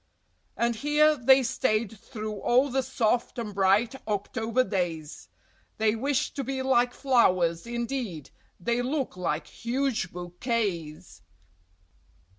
And here they stayed through all the soft and bright October days; They wished to be like flowers indeed, they look like huge bouquets!